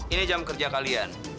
ini jam kerja kalian